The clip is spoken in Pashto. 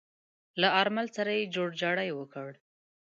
له آرمل سره يې جوړجاړی وکړ.